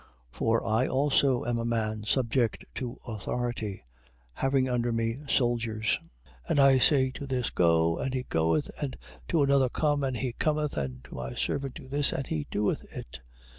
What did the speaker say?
8:9. For I also am a man subject to authority, having under me soldiers; and I say to this, Go, and he goeth, and to another Come, and he cometh, and to my servant, Do this, and he doeth it.